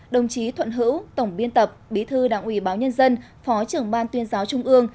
đồng chí thuận hữu tổng biên tập bí thư đảng ủy báo nhân dân phó trưởng ban tuyên giáo trung ương